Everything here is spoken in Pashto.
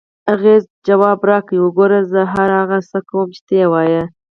هغې ځواب راکړ: وګوره، زه هر هغه څه کوم چې ته یې وایې.